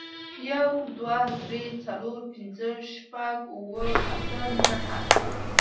يو، دوه، درې، څلور، پينځه، شپږ، اووه، اته، نهه